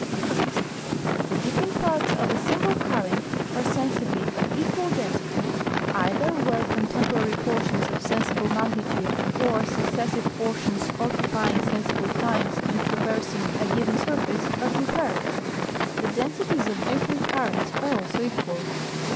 Sixth. The different parts of a single current are sensibly of equal density, either where contemporary portions of sensible magnitude or successive portions occupying sensible times in traversing a given surface are compared. The densities of different currents are also equal.